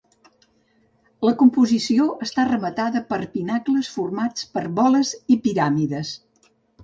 La composició està rematada per pinacles formats per boles i piràmides.